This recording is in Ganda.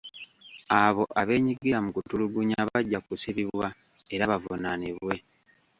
Abo abeenyigira mu kutulugunya bajja kusibibwa era bavunaanibwe.